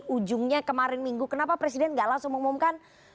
ujungnya kemarin minggu kenapa presiden gak langsung mengumumkan